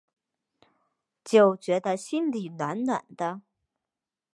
就觉得心里暖暖的